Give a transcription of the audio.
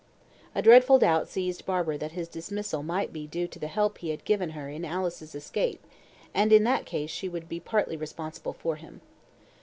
A dreadful doubt seized Barbara that his dismissal might be due to the help he had given her in Alice's escape, and in that case she would be partly responsible for him.